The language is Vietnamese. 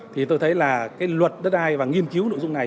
thì tôi thấy là cái luật đất đai và nghiên cứu nội dung này